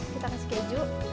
kita kasih keju